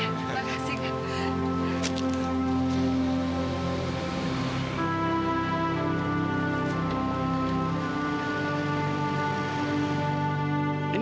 iya terima kasih kang